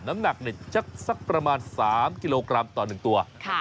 น้ำหนักสักประมาณ๓กิโลกรัมต่อ๑ตัว